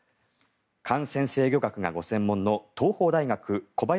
感染制御学がご専門の東邦大学、小林寅